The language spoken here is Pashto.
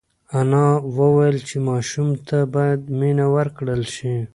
انا وویل چې ماشوم ته باید مینه ورکړل شي.